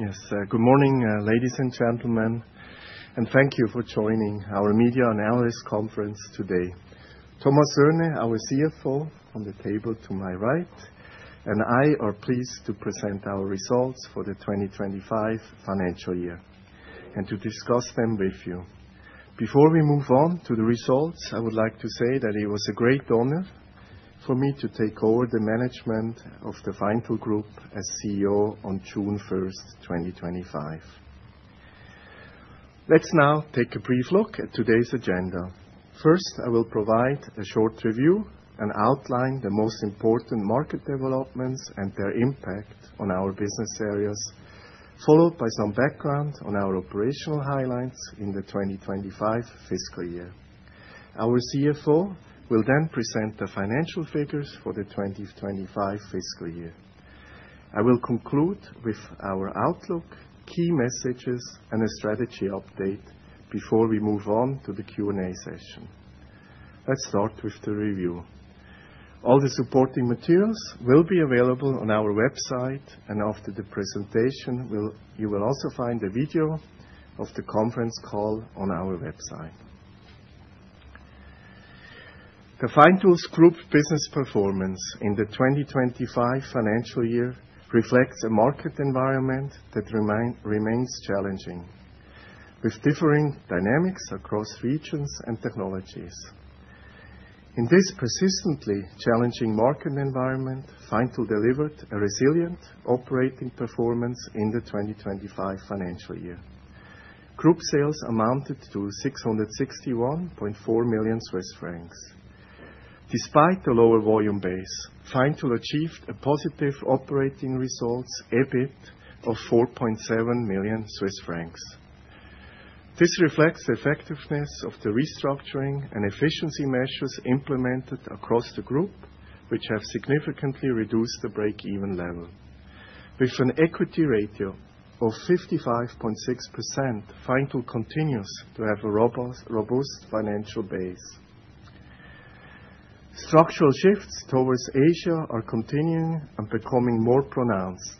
Yes. Good morning, ladies and gentlemen, thank you for joining our media and analyst conference today. Thomas Erne, our CFO, on the table to my right, and I are pleased to present our results for the 2025 financial year and to discuss them with you. Before we move on to the results, I would like to say that it was a great honor for me to take over the management of the Feintool Group as CEO on June first, 2025. Let's now take a brief look at today's agenda. First, I will provide a short review and outline the most important market developments and their impact on our business areas, followed by some background on our operational highlights in the 2025 fiscal year. Our CFO will present the financial figures for the 2025 fiscal year. I will conclude with our outlook, key messages, and a strategy update before we move on to the Q&A session. Let's start with the review. All the supporting materials will be available on our website, and after the presentation, you will also find a video of the conference call on our website. The Feintool Group business performance in the 2025 financial year reflects a market environment that remains challenging, with differing dynamics across regions and technologies. In this persistently challenging market environment, Feintool delivered a resilient operating performance in the 2025 financial year. Group sales amounted to 661.4 million Swiss francs. Despite the lower volume base, Feintool achieved a positive operating results EBIT of 4.7 million Swiss francs. This reflects the effectiveness of the restructuring and efficiency measures implemented across the group, which have significantly reduced the break-even level. With an equity ratio of 55.6%, Feintool continues to have a robust financial base. Structural shifts towards Asia are continuing and becoming more pronounced.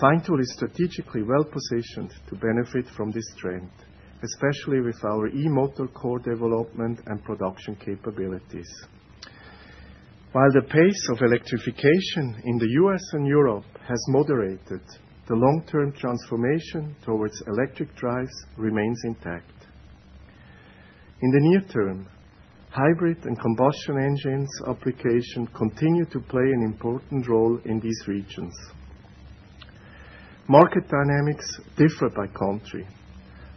Feintool is strategically well-positioned to benefit from this trend, especially with our E-motor core development and production capabilities. While the pace of electrification in the U.S. and Europe has moderated, the long-term transformation towards electric drives remains intact. In the near term, hybrid and combustion engines application continue to play an important role in these regions. Market dynamics differ by country.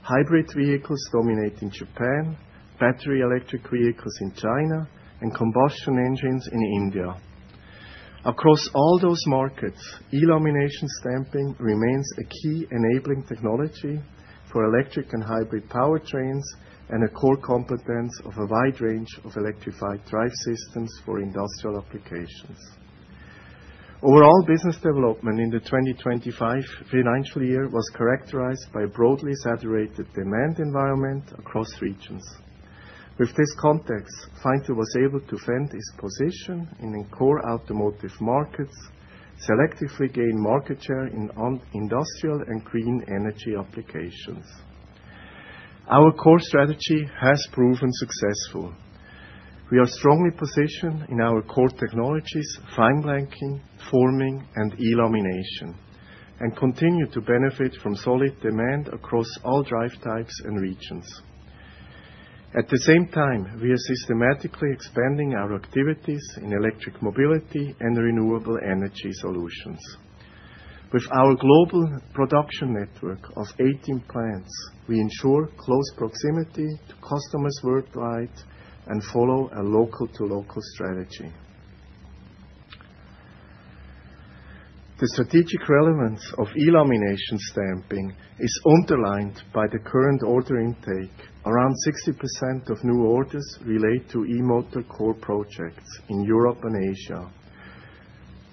Hybrid vehicles dominate in Japan, battery electric vehicles in China, and combustion engines in India. Across all those markets, E-lamination stamping remains a key enabling technology for electric and hybrid powertrains and a core competence of a wide range of electrified drive systems for industrial applications. Overall business development in the 2025 financial year was characterized by a broadly saturated demand environment across regions. With this context, Feintool was able to fend its position in the core automotive markets, selectively gain market share in on-industrial and green energy applications. Our core strategy has proven successful. We are strongly positioned in our core technologies, fine blanking, forming, and E-lamination, and continue to benefit from solid demand across all drive types and regions. At the same time, we are systematically expanding our activities in electric mobility and renewable energy solutions. With our global production network of 18 plants, we ensure close proximity to customers worldwide and follow a local-to-local strategy. The strategic relevance of E-lamination stamping is underlined by the current order intake. Around 60% of new orders relate to E-motor core projects in Europe and Asia.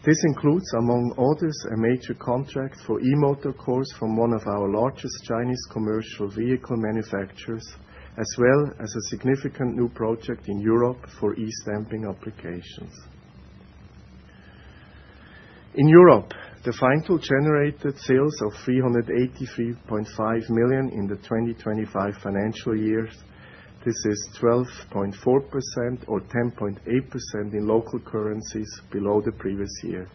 This includes, among others, a major contract for e-motor cores from one of our largest Chinese commercial vehicle manufacturers, as well as a significant new project in Europe for E-stamping applications. In Europe, the Feintool generated sales of 383.5 million in the 2025 financial years. This is 12.4% or 10.8% in local currencies below the previous year.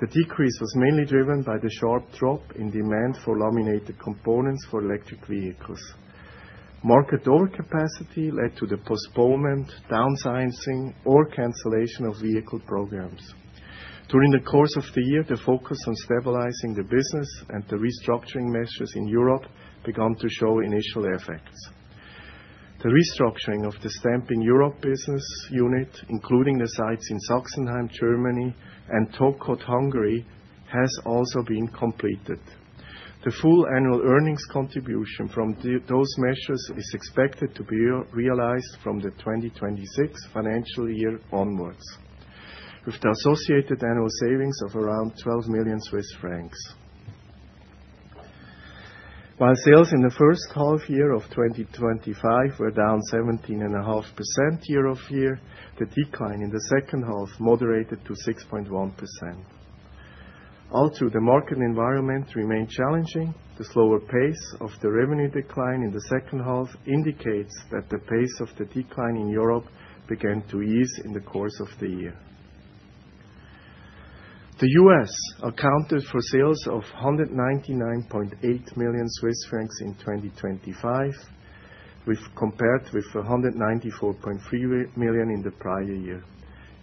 The decrease was mainly driven by the sharp drop in demand for laminated components for electric vehicles. Market overcapacity led to the postponement, downsizing, or cancellation of vehicle programs. During the course of the year, the focus on stabilizing the business and the restructuring measures in Europe began to show initial effects. The restructuring of the Stamping Europe business unit, including the sites in Sachsenheim, Germany, and Tokod, Hungary, has also been completed. The full annual earnings contribution from those measures is expected to be realized from the 2026 financial year onwards, with the associated annual savings of around 12 million Swiss francs. Sales in the first half year of 2025 were down 17.5% year-over-year, the decline in the second half moderated to 6.1%. The market environment remained challenging, the slower pace of the revenue decline in the second half indicates that the pace of the decline in Europe began to ease in the course of the year. The U.S. accounted for sales of 199.8 million Swiss francs in 2025, compared with 194.3 million in the prior year,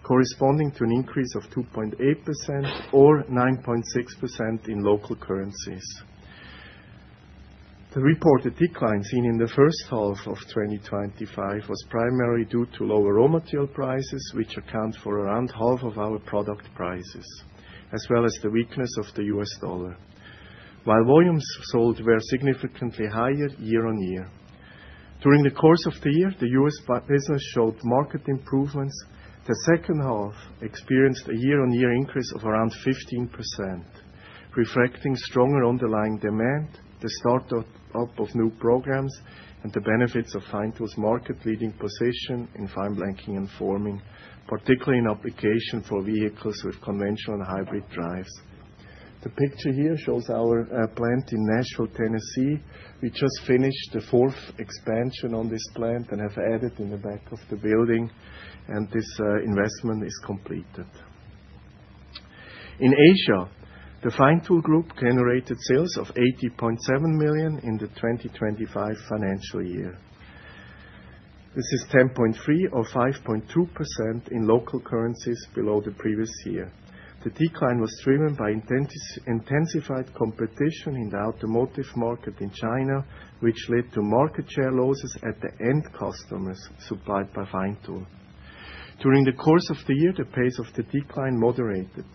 corresponding to an increase of 2.8% or 9.6% in local currencies. The reported decline seen in the first half of 2025 was primarily due to lower raw material prices, which account for around half of our product prices, as well as the weakness of the US dollar. While volumes sold were significantly higher year-on-year. During the course of the year, the U.S. bi-business showed market improvements. The second half experienced a year-on-year increase of around 15%, reflecting stronger underlying demand, the start up of new programs, and the benefits of Feintool's market-leading position in fine blanking and forming, particularly in application for vehicles with conventional and hybrid drives. The picture here shows our plant in Nashville, Tennessee. We just finished the fourth expansion on this plant and have added in the back of the building, and this investment is completed. In Asia, the Feintool Group generated sales of 80.7 million in the 2025 financial year. This is 10.3% or 5.2% in local currencies below the previous year. The decline was driven by intensified competition in the automotive market in China, which led to market share losses at the end customers supplied by Feintool. During the course of the year, the pace of the decline moderated.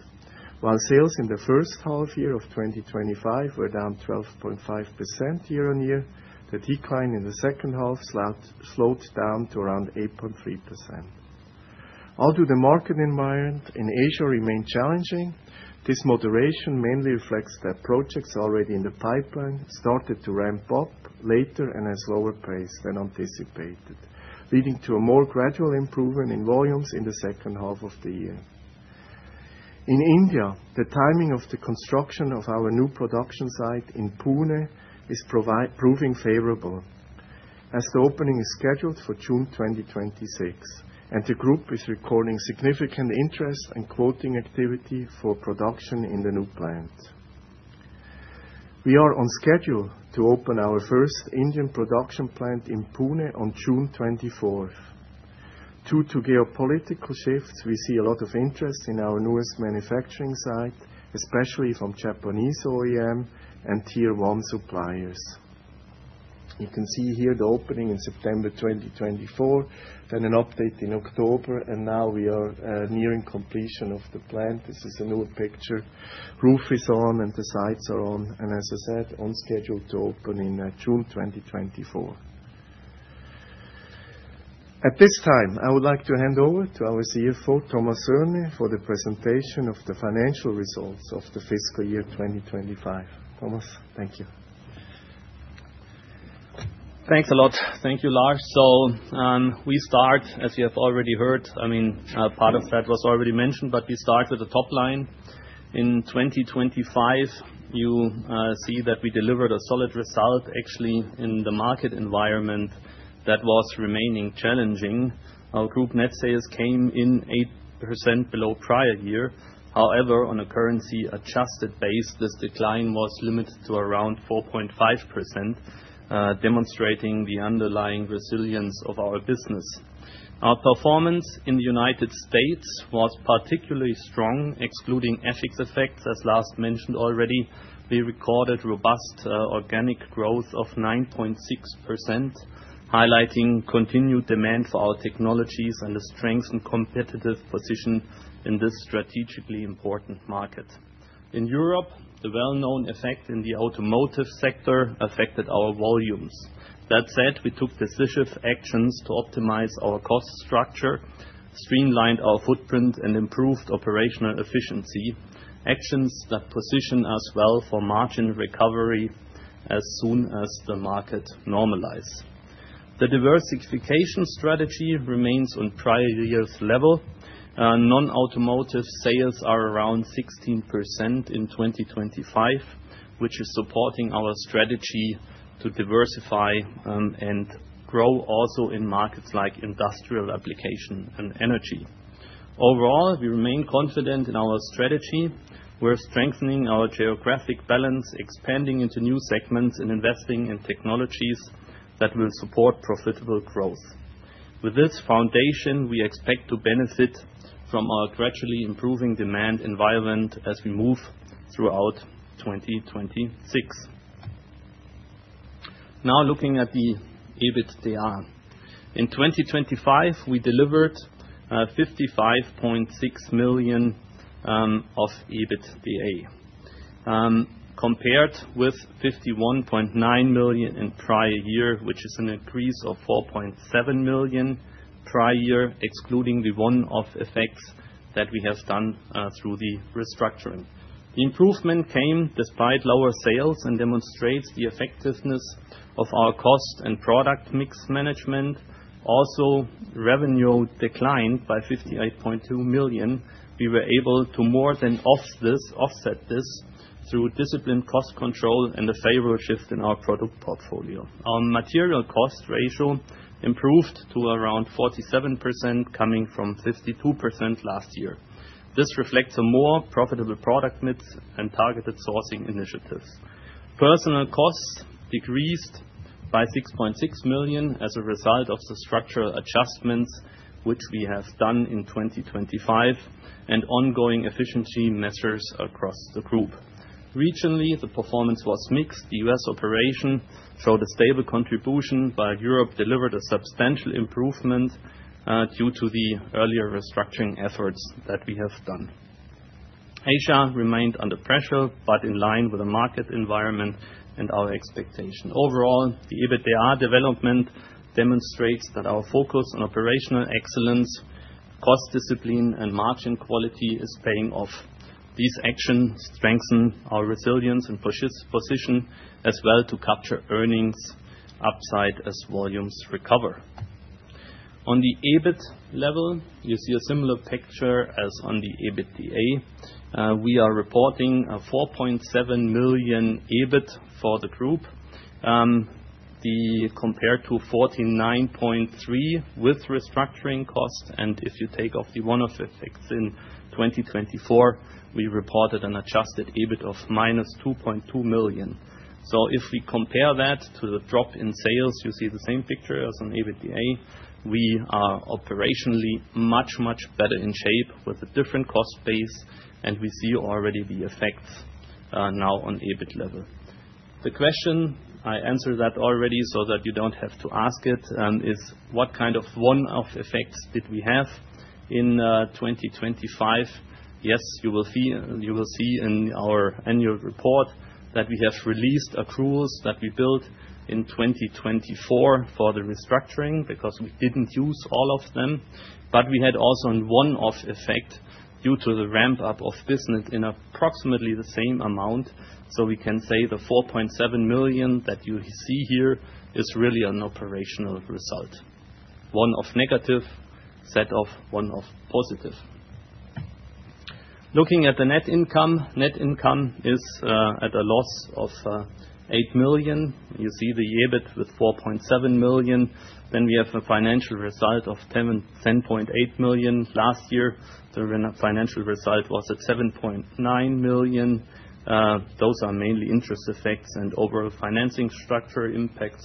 While sales in the first half year of 2025 were down 12.5% year-on-year, the decline in the second half slowed down to around 8.3%. Although the market environment in Asia remained challenging, this moderation mainly reflects that projects already in the pipeline started to ramp up later in a slower pace than anticipated, leading to a more gradual improvement in volumes in the second half of the year. In India, the timing of the construction of our new production site in Pune is proving favorable as the opening is scheduled for June 2026, and the group is recording significant interest and quoting activity for production in the new plant. We are on schedule to open our first Indian production plant in Pune on June 24th. Due to geopolitical shifts, we see a lot of interest in our newest manufacturing site, especially from Japanese OEM and Tier One suppliers. You can see here the opening in September 2024, then an update in October, and now we are nearing completion of the plant. This is a new picture. Roof is on, and the sides are on, and as I said, on schedule to open in June 2024. At this time, I would like to hand over to our CFO, Thomas Erne, for the presentation of the financial results of the fiscal year 2025. Thomas, thank you. Thanks a lot. Thank you, Lars. We start, as you have already heard, part of that was already mentioned, but we start with the top line. In 2025, you see that we delivered a solid result actually in the market environment that was remaining challenging. Our group net sales came in 8% below prior year. On a currency-adjusted base, this decline was limited to around 4.5%, demonstrating the underlying resilience of our business. Our performance in the United States was particularly strong, excluding FX effects, as Lars mentioned already. We recorded robust organic growth of 9.6%, highlighting continued demand for our technologies and the strength and competitive position in this strategically important market. In Europe, the well-known effect in the automotive sector affected our volumes. That said, we took decisive actions to optimize our cost structure, streamlined our footprint, and improved operational efficiency, actions that position us well for margin recovery as soon as the market normalize. The diversification strategy remains on prior years' level. Non-automotive sales are around 16% in 2025, which is supporting our strategy to diversify and grow also in markets like industrial application and energy. Overall, we remain confident in our strategy. We're strengthening our geographic balance, expanding into new segments, and investing in technologies that will support profitable growth. With this foundation, we expect to benefit from our gradually improving demand environment as we move throughout 2026. Looking at the EBITDA. In 2025, we delivered 55.6 million of EBITDA, compared with 51.9 million in prior year, which is an increase of 4.7 million prior year, excluding the one-off effects that we have done through the restructuring. The improvement came despite lower sales and demonstrates the effectiveness of our cost and product mix management. Revenue declined by 58.2 million. We were able to more than offset this through disciplined cost control and the favorable shift in our product portfolio. Our material cost ratio improved to around 47% coming from 52% last year. This reflects a more profitable product mix and targeted sourcing initiatives. Personnel costs decreased by 6.6 million as a result of the structural adjustments which we have done in 2025, and ongoing efficiency measures across the group. Regionally, the performance was mixed. The US operation showed a stable contribution. Europe delivered a substantial improvement due to the earlier restructuring efforts that we have done. Asia remained under pressure, in line with the market environment and our expectation. Overall, the EBITDA development demonstrates that our focus on operational excellence, cost discipline, and margin quality is paying off. These actions strengthen our resilience and position as well to capture earnings upside as volumes recover. On the EBIT level, you see a similar picture as on the EBITDA. We are reporting a 4.7 million EBIT for the group compared to 49.3 million with restructuring costs. If you take off the one-off effects in 2024, we reported an adjusted EBIT of -2.2 million. If we compare that to the drop in sales, you see the same picture as on EBITDA. We are operationally much, much better in shape with a different cost base, and we see already the effects now on EBIT level. The question I answered that already so that you don't have to ask it, is what kind of one-off effects did we have in 2025? Yes, you will see, you will see in our annual report that we have released accruals that we built in 2024 for the restructuring because we didn't use all of them. We had also a one-off effect due to the ramp-up of business in approximately the same amount. We can say the 4.7 million that you see here is really an operational result, one-off negative set off one-off positive. Looking at the net income. Net income is at a loss of 8 million. You see the EBIT with 4.7 million. We have a financial result of 10.8 million. Last year, the financial result was at 7.9 million. Those are mainly interest effects and overall financing structure impacts.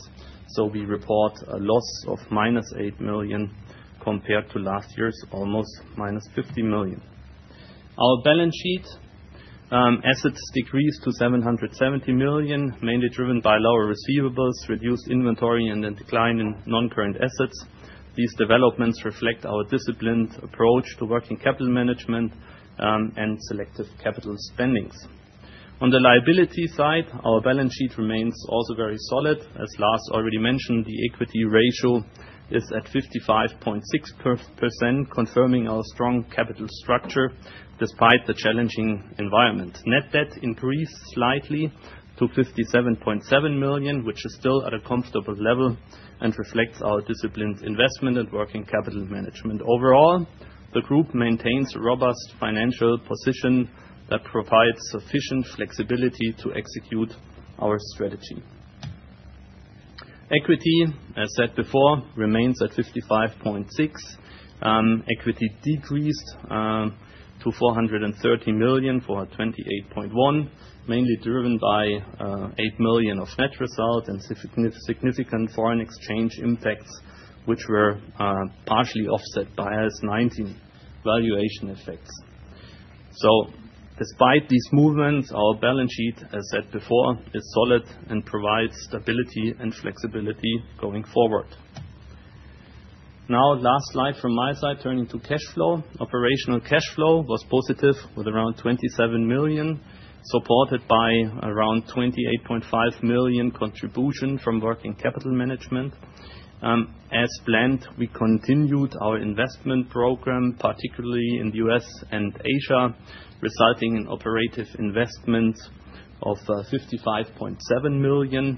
We report a loss of -8 million compared to last year's almost -50 million. Our balance sheet assets decreased to 770 million, mainly driven by lower receivables, reduced inventory, and a decline in non-current assets. These developments reflect our disciplined approach to working capital management and selective capital spendings. On the liability side, our balance sheet remains also very solid. As Lars already mentioned, the equity ratio is at 55.6%, confirming our strong capital structure despite the challenging environment. Net debt increased slightly to 57.7 million, which is still at a comfortable level and reflects our disciplined investment and working capital management. Overall, the group maintains a robust financial position that provides sufficient flexibility to execute our strategy. Equity, as said before, remains at 55.6. Equity decreased to 430 million for 28.1, mainly driven by 8 million of net results and significant foreign exchange impacts, which were partially offset by IFRS 19 valuation effects. Despite these movements, our balance sheet, as said before, is solid and provides stability and flexibility going forward. Last slide from my side, turning to cash flow. Operational cash flow was positive with around 27 million, supported by around 28.5 million contribution from working capital management. As planned, we continued our investment program, particularly in the U.S. and Asia, resulting in operative investments of 55.7 million.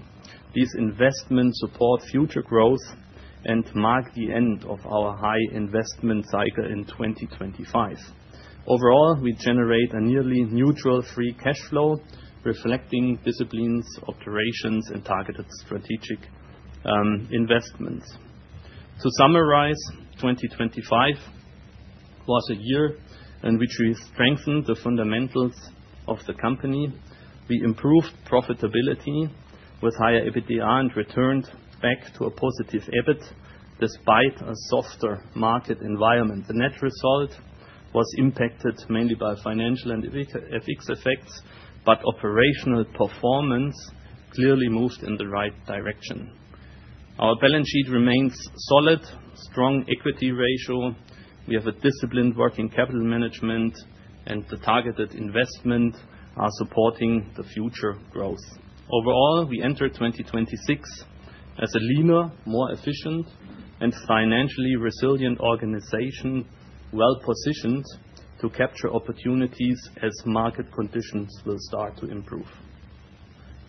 These investments support future growth and mark the end of our high investment cycle in 2025. Overall, we generate a nearly neutral free cash flow, reflecting disciplined operations and targeted strategic investments. To summarize, 2025 was a year in which we strengthened the fundamentals of the company. We improved profitability with higher EBITDA and returned back to a positive EBIT despite a softer market environment. The net result was impacted mainly by financial and FX effects, but operational performance clearly moved in the right direction. Our balance sheet remains solid, strong equity ratio. We have a disciplined working capital management, and the targeted investment are supporting the future growth. Overall, we enter 2026 as a leaner, more efficient, and financially resilient organization, well-positioned to capture opportunities as market conditions will start to improve.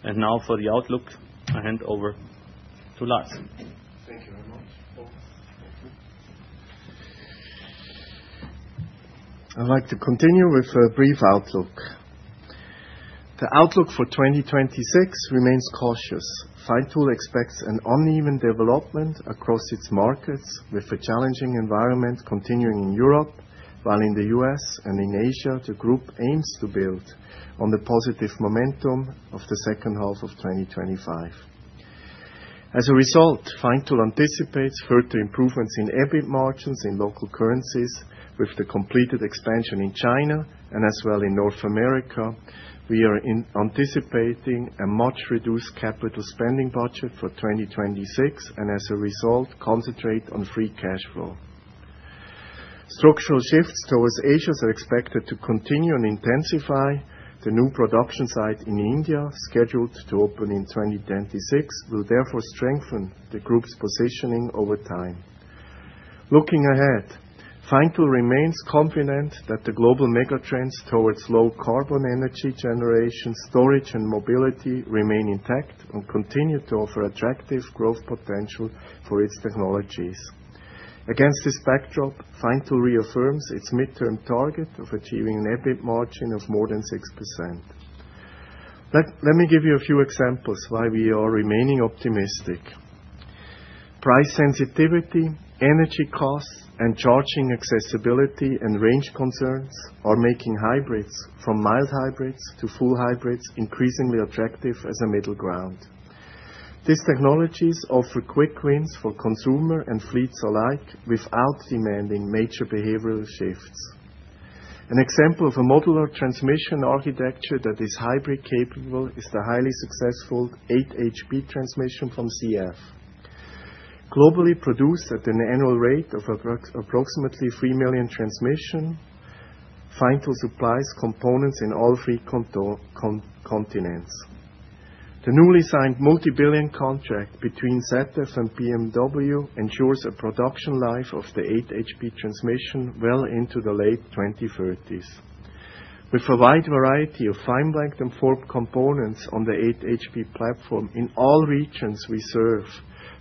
Now for the outlook, I hand over to Lars. Thank you very much. Welcome. Thank you. I'd like to continue with a brief outlook. The outlook for 2026 remains cautious. Feintool expects an uneven development across its markets with a challenging environment continuing in Europe, while in the U.S. and in Asia, the group aims to build on the positive momentum of the second half of 2025. As a result, Feintool anticipates further improvements in EBIT margins in local currencies with the completed expansion in China and as well in North America. We are anticipating a much-reduced capital spending budget for 2026, and as a result, concentrate on free cash flow. Structural shifts towards Asia are expected to continue and intensify. The new production site in India, scheduled to open in 2026, will therefore strengthen the group's positioning over time. Looking ahead, Feintool remains confident that the global mega trends towards low carbon energy generation, storage, and mobility remain intact and continue to offer attractive growth potential for its technologies. Against this backdrop, Feintool reaffirms its midterm target of achieving an EBIT margin of more than 6%. Let me give you a few examples why we are remaining optimistic. Price sensitivity, energy costs, and charging accessibility, and range concerns are making hybrids from mild hybrids to full hybrids increasingly attractive as a middle ground. These technologies offer quick wins for consumer and fleets alike without demanding major behavioral shifts. An example of a modular transmission architecture that is hybrid-capable is the highly successful 8HP transmission from ZF. Globally produced at an annual rate of approximately 3 million transmission, Feintool supplies components in all three continents. The newly signed multi-billion contract between ZF and BMW ensures a production life of the 8HP transmission well into the late 2030s. With a wide variety of fineblanked and forged components on the 8HP platform in all regions we serve,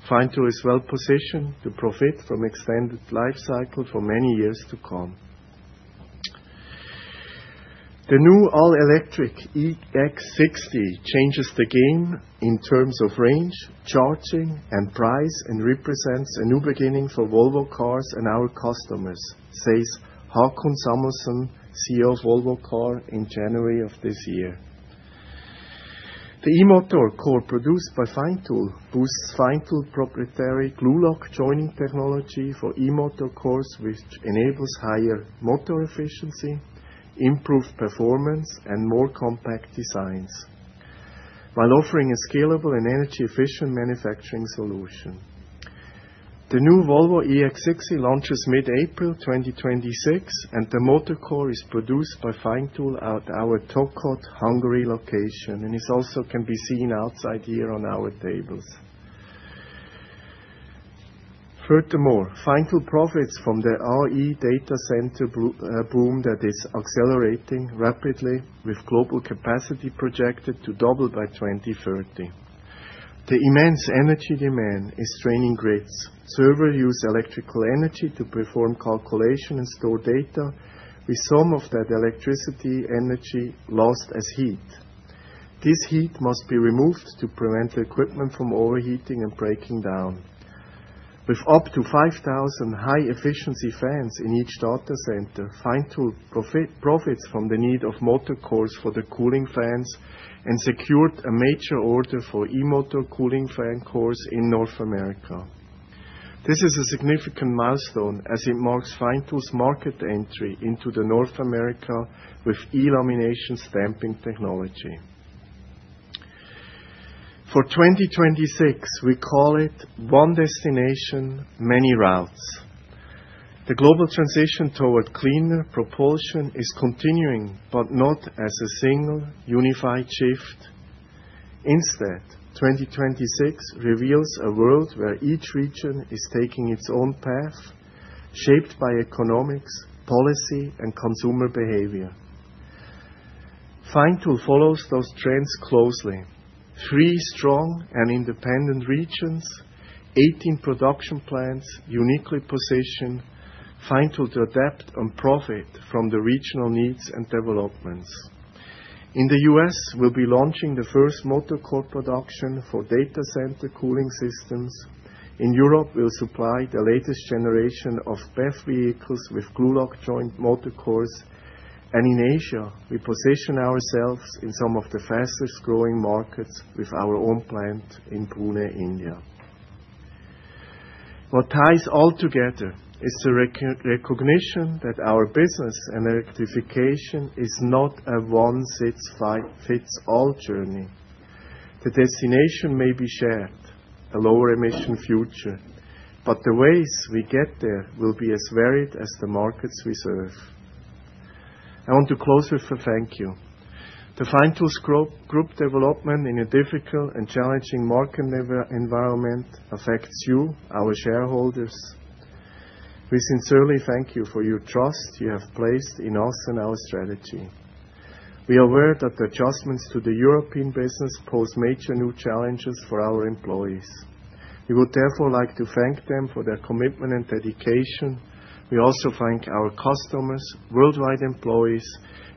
Feintool is well-positioned to profit from extended life cycle for many years to come. The new all-electric EX60 changes the game in terms of range, charging, and price, and represents a new beginning for Volvo Cars and our customers, says Håkan Samuelsson, CEO of Volvo Cars in January of this year. The e-motor core produced by Feintool boosts Feintool proprietary GluLock joining technology for e-motor cores which enables higher motor efficiency, improved performance, and more compact designs, while offering a scalable and energy-efficient manufacturing solution. The new Volvo EX60 launches mid-April 2026, and the motor core is produced by Feintool at our Tokod, Hungary location, and it also can be seen outside here on our tables. Furthermore, Feintool profits from the AI data center boom that is accelerating rapidly with global capacity projected to double by 2030. The immense energy demand is straining grids. Server use electrical energy to perform calculation and store data with some of that electricity energy lost as heat. This heat must be removed to prevent the equipment from overheating and breaking down. With up to 5,000 high-efficiency fans in each data center, Feintool profits from the need of motor cores for the cooling fans and secured a major order for e-motor cooling fan cores in North America. This is a significant milestone as it marks Feintool's market entry into the North America with e-lamination stamping technology. For 2026, we call it 1 destination, many routes. The global transition toward cleaner propulsion is continuing, not as a single unified shift. Instead, 2026 reveals a world where each region is taking its own path, shaped by economics, policy, and consumer behavior. Feintool follows those trends closely. Three strong and independent regions, 18 production plants uniquely positioned Feintool to adapt and profit from the regional needs and developments. In the U.S., we'll be launching the first motor core production for data center cooling systems. In Europe, we'll supply the latest generation of BEV vehicles with GluLock joined motor cores. In Asia, we position ourselves in some of the fastest-growing markets with our own plant in Pune, India. What ties all together is the recognition that our business and electrification is not a one-size-fits-all journey. The destination may be shared, a lower emission future, but the ways we get there will be as varied as the markets we serve. I want to close with a thank you. To Feintool's Group development in a difficult and challenging market environment affects you, our shareholders. We sincerely thank you for your trust you have placed in us and our strategy. We are aware that the adjustments to the European business pose major new challenges for our employees. We would therefore like to thank them for their commitment and dedication. We also thank our customers, worldwide employees,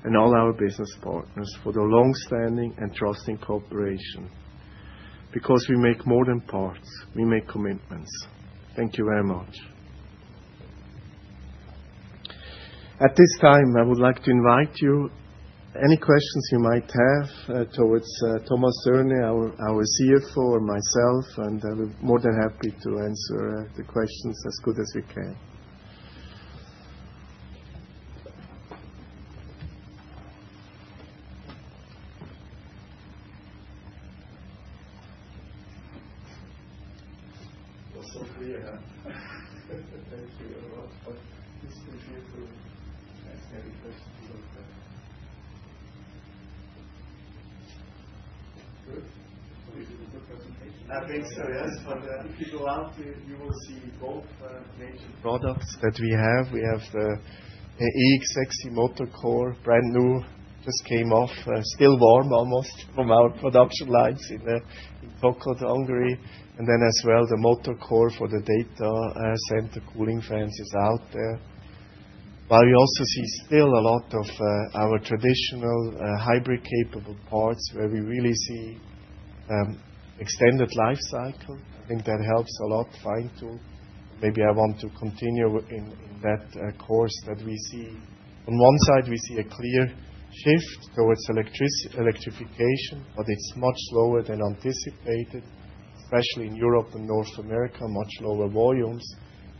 and all our business partners for their longstanding and trusting cooperation. Because we make more than parts, we make commitments. Thank you very much. At this time, I would like to invite you any questions you might have, towards Thomas Erne, our CFO, or myself, and I'll be more than happy to answer the questions as good as we can. It was clear. Thank you a lot. Please feel free to ask any questions you have there. Good. Was it a good presentation? I think so, yes. If you go out, you will see both major products that we have. We have the e-motor core, brand-new, just came off, still warm almost from our production lines in Tokod, Hungary. Then as well, the motor core for the data center cooling fans is out there. We also see still a lot of our traditional hybrid capable parts where we really see extended life cycle. I think that helps a lot, Feintool. Maybe I want to continue in that course that we see. On one side, we see a clear shift towards electrification, but it's much slower than anticipated, especially in Europe and North America, much lower volumes.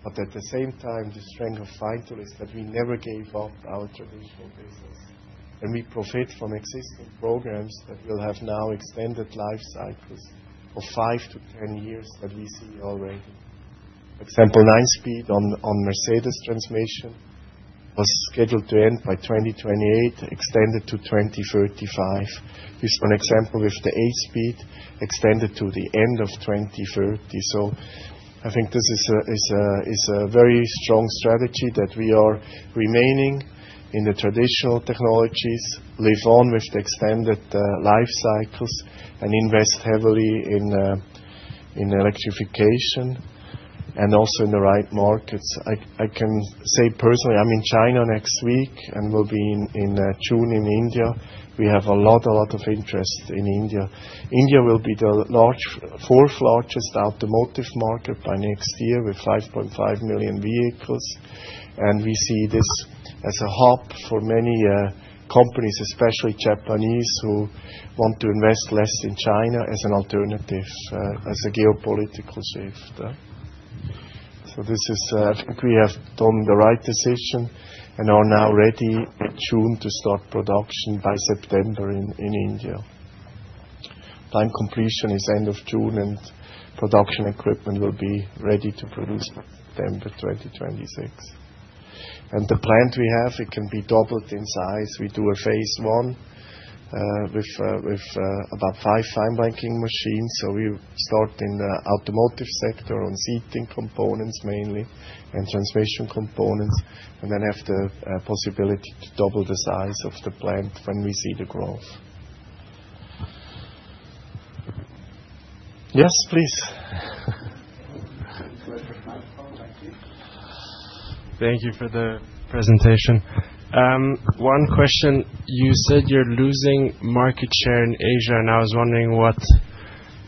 At the same time, the strength of Feintool is that we never gave up our traditional business. We profit from existing programs that will have now extended life cycles of 5 to 10 years that we see already. Example, 9-speed on Mercedes transmission was scheduled to end by 2028, extended to 2035. Just one example with the 8-speed, extended to the end of 2030. I think this is a very strong strategy that we are remaining in the traditional technologies, live on with the extended life cycles, and invest heavily in electrification and also in the right markets. I can say personally, I'm in China next week and will be in June in India. We have a lot of interest in India. India will be the fourth largest automotive market by next year with 5.5 million vehicles. We see this as a hub for many companies, especially Japanese, who want to invest less in China as an alternative, as a geopolitical shift. This is, I think we have taken the right decision and are now ready in June to start production by September in India. Time completion is end of June, and production equipment will be ready to produce by September 2026. The plant we have, it can be doubled in size. We do a phase 1 with about 5 fineblanking machines. We start in the automotive sector on seating components mainly and transmission components, and then have the possibility to double the size of the plant when we see the growth. Yes, please. Use the microphone, I think. Thank you for the presentation. One question. You said you're losing market share in Asia, and I was wondering what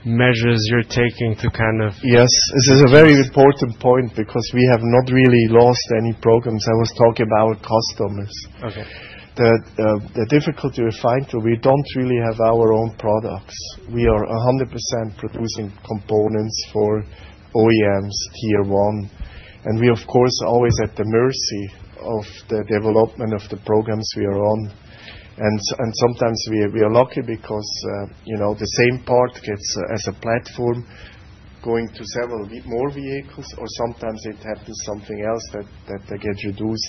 measures you're taking. Yes. This is a very important point because we have not really lost any programs. I was talking about customers. Okay. The difficulty with Feintool, we don't really have our own products. We are 100% producing components for OEMs Tier One, and we, of course, are always at the mercy of the development of the programs we are on. Sometimes we are lucky because, you know, the same part gets, as a platform, going to several more vehicles or sometimes it happens something else that they get reduced.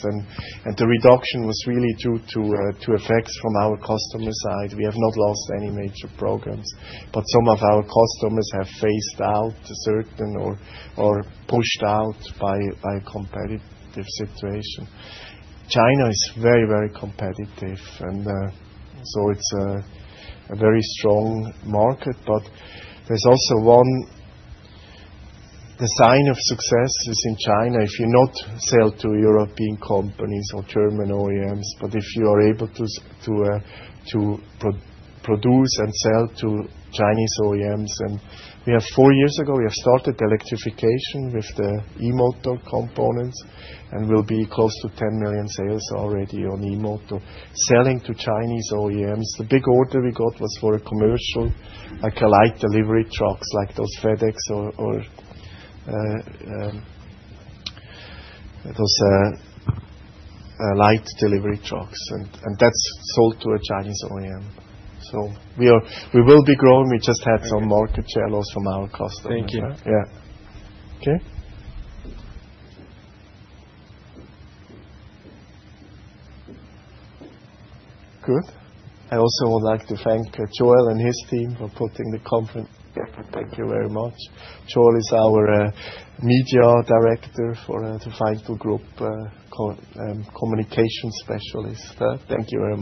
The reduction was really due to effects from our customer side. We have not lost any major programs, but some of our customers have phased out certain or pushed out by competitive situation. China is very, very competitive, it's a very strong market. There's also one design of successes in China if you not sell to European companies or German OEMs, but if you are able to produce and sell to Chinese OEMs. We have four years ago, we have started electrification with the e-motor components and will be close to 10 million sales already on e-motor. Selling to Chinese OEMs, the big order we got was for a commercial, like a light delivery trucks, like those FedEx or those light delivery trucks. That's sold to a Chinese OEM. We will be growing. We just had some market share loss from our customers. Thank you. Yeah. Okay. Good. I also would like to thank Joel and his team for putting the conference together. Thank you very much. Joel is our media director for the Feintool Group communication specialist. Thank you very much.